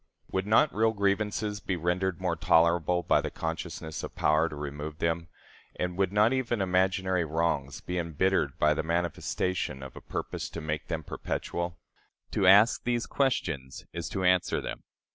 Would not real grievances be rendered more tolerable by the consciousness of power to remove them; and would not even imaginary wrongs be embittered by the manifestation of a purpose to make them perpetual? To ask these questions is to answer them.